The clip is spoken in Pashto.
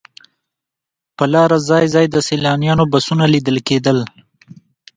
پر لاره ځای ځای د سیلانیانو بسونه لیدل کېدل.